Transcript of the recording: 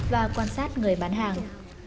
và quan sát người bán hàng